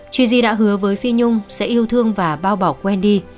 tri di đã hứa với phi nhung sẽ yêu thương và bao bọc quen đi